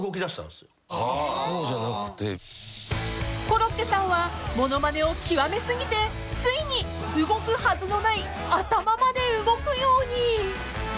［コロッケさんは物まねを極めすぎてついに動くはずのない頭まで動くように］